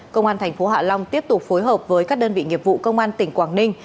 công an thành phố hạ long tiếp tục phối hợp với các đơn vị nghiệp vụ công an tỉnh quảng ninh